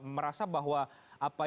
merasa bahwa apa yang